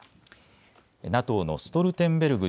ＮＡＴＯのストルテンベルグ